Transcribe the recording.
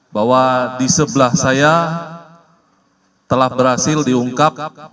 bahwa di sebelah saya telah berhasil diungkap